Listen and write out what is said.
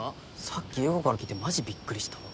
さっき勇吾から聞いてマジびっくりしたわ。